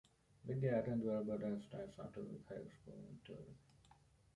Righi attended Albert Einstein Scientific High School in Turin.